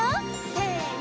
せの！